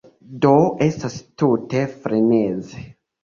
Do estas tute freneze.